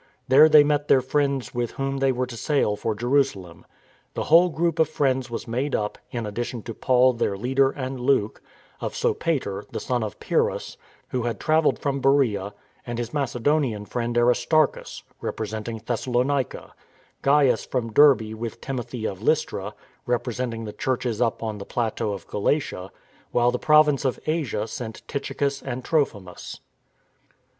There they met their friends with whom they were to sail for Jerusalem. The whole group of friends were made up (in addition to Paul their leader and Luke) of Sopater, the son of Pyrrhus, who had travelled from Beroea, and his Macedonian friend Aristarchus, representing Thessalonica; Gains from Derbe with Timothy of Lystra, representing the churches up on the plateau of Galatia; while the province of Asia sent Tychicus and Trophimus.